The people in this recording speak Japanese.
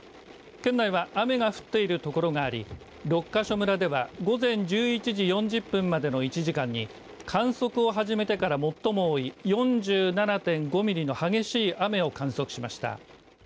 県内は、雨が降っている所があり六ヶ所村では午前１１時４０分までの１時間に観測を始めてから最も多い４７．５ミリの激しい雨を観測しました。